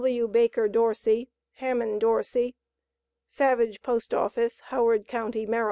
W. BAKER DORSEY, HAMMOND DORSEY, Savage P.O., Howard county, Md.